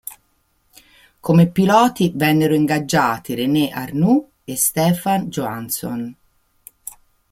Come piloti vennero ingaggiati René Arnoux e Stefan Johansson.